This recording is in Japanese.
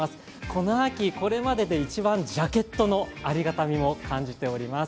この秋これまでで一番ジャケットのありがたみも感じております。